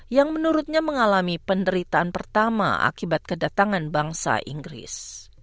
yang menurutnya mengalami penderitaan pertama akibat kedatangan bangsa inggris